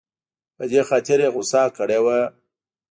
په دې خاطر یې غوسه کړې وه.